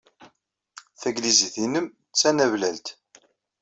Tanglizit-nnem d tanablalt.